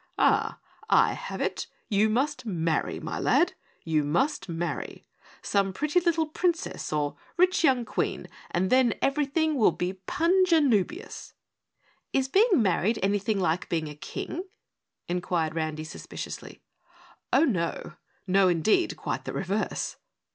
Ah, I have it! You must marry, my lad, you must marry! Some pretty little Princess or rich young Queen, and then everything will be punjanoobious!" "Is being married anything like being a King?" inquired Randy suspiciously. "Oh, no. No, indeed, quite the reverse."